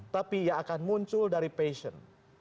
tapi ia akan muncul dari passion